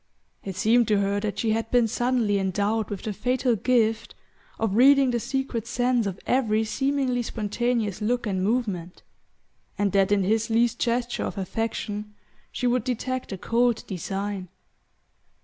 It seemed to her that she had been suddenly endowed with the fatal gift of reading the secret sense of every seemingly spontaneous look and movement, and that in his least gesture of affection she would detect a cold design.